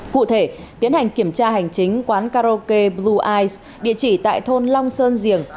cụ thể tiến hành kiểm tra hành chính quán karaoke blue eyes địa chỉ tại thôn long sơn diềng